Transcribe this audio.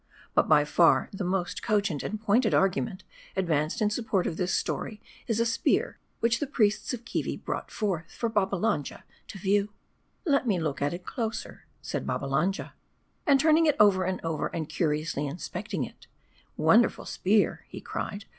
But by far the most cogent, and pointed argument advanced in sup port of this story, is a spear which the priests of Keevi brought forth, for Babbalanja to view. " Let me look at it closer," said Babbalanja. And turning it over and over and curiously inspecting it, " Wonderful spear," he cried.